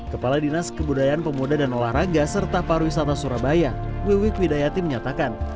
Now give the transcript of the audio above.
kepala dinas kemudayaan pemuda dan olahraga serta parwisata surabaya wiwi kwidayati menyatakan